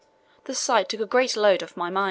The sight took a great load off my mind.